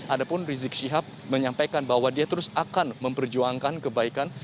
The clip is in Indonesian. adapun rizik kecilap menyampaikan bahwa dia terus akan memperjuangkan kebaikan